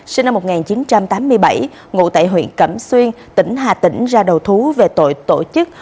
sinh năm một nghìn chín trăm tám mươi bảy ngụ tại huyện cẩm xuyên tỉnh hà tĩnh ra đầu thú về tội tổ chức